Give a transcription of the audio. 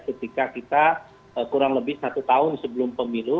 ketika kita kurang lebih satu tahun sebelum pemilu